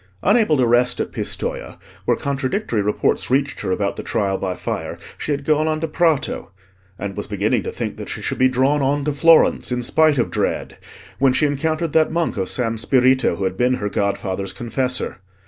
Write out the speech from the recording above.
Unable to rest at Pistoja, where contradictory reports reached her about the Trial by Fire, she had gone on to Prato; and was beginning to think that she should be drawn on to Florence in spite of dread, when she encountered that monk of San Spirito who had been her godfather's confessor.